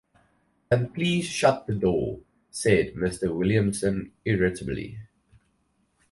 And "Please shut that door," said Mr. Williamson, irritably.